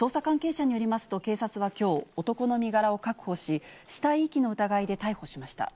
捜査関係者によりますと、警察はきょう、男の身柄を確保し、死体遺棄の疑いで逮捕しました。